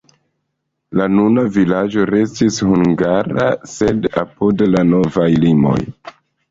La nuna vilaĝo restis hungara, sed apud la novaj limoj.